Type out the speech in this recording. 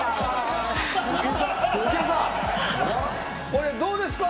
これどうですか？